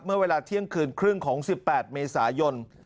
เมื่อเวลาเที่ยงคืนครึ่งของ๑๘เมษายน